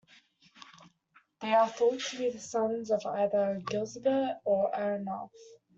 They are thought to be the sons of either Giselbert or Arnulf.